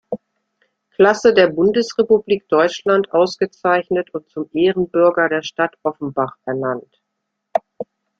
Klasse der Bundesrepublik Deutschland ausgezeichnet und zum Ehrenbürger der Stadt Offenbach ernannt.